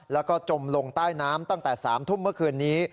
แล้วก็จมลงใต้น้ำตั้งแต่๓ทุ่มเมื่อคืนนี้